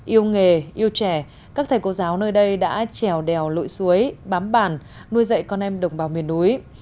yêu nghề yêu trẻ các thầy cô giáo nơi đây đã trèo đèo lội suối bám bản nuôi dạy con em đồng bào miền núi